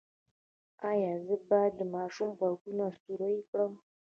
ایا زه باید د ماشوم غوږونه سورۍ کړم؟